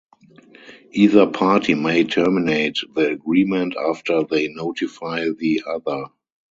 Either party may terminate the agreement after they notify the other.